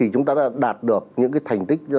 chúng ta đã đạt được những thành tích